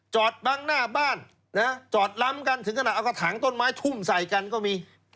จอดบ้างหน้าบ้านจอดล้ำกันถึงกระถางต้นไม้ทุ่มใส่กันก็มี